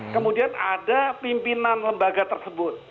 kemudian ada pimpinan lembaga tersebut